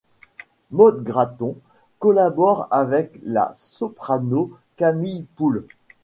Maude Gratton collabore avec la soprano Camille Poul.